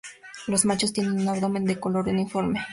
Los machos tienen un abdomen de color uniforme.